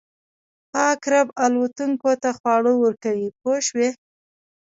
پاک رب الوتونکو ته خواړه ورکوي پوه شوې!.